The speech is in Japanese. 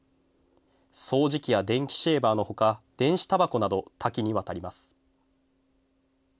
掃除機や電気シェーバーの他電子たばこなど多岐にわたります。